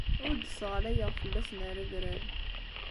Ur d-sseɣlayeɣ fell-asen rrebrab.